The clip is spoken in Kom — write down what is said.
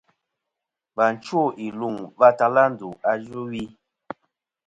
Và chwo iluŋ va tala ndu a yvɨwi.